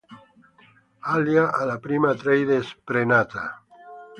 Alia è la prima Atreides "pre-nata".